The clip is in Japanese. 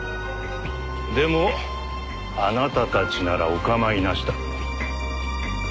でもあなたたちならお構いなしだと？